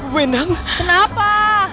bu endang kenapa